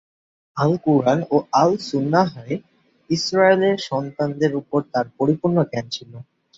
আল-কুরআন ও আল-সুন্নাহয় ইস্রায়েলের সন্তানদের উপর তার পরিপূর্ণ জ্ঞান ছিল।